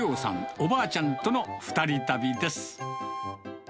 おばあちゃんとの２人旅です。